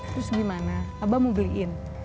terus gimana abah mau beliin